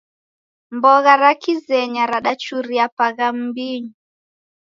Mbogha ra Kizenya radachuria pagha mmbinyi